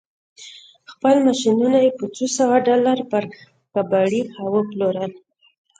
خپل ماشينونه يې په څو سوه ډالر پر کباړي وپلورل.